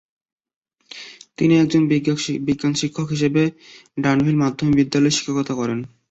তিনি একজন বিজ্ঞান শিক্ষক হিসেবে ডানভিল মাধ্যমিক বিদ্যালয়ে শিক্ষকতা করেন।